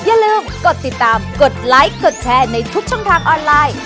อย่าลืมกดติดตามกดไลค์กดแชร์ในทุกช่องทางออนไลน์